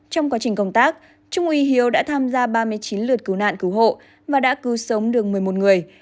trong quá trình công tác trung úy hiếu đã tham gia ba mươi chín lượt cứu nạn cứu hộ và đã cứu sống được một mươi một người